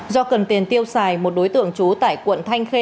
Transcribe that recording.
do cần tiền tiêu xài một đối tượng trú tại quận thanh khê